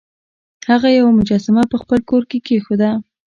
هغه یوه مجسمه په خپل کور کې کیښوده.